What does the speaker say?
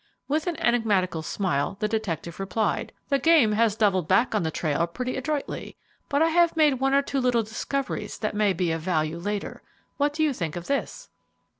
With an enigmatical smile, the detective replied, "The game has doubled back on the trail pretty adroitly, but I have made one or two little discoveries that may be of value later. What do you think of this?"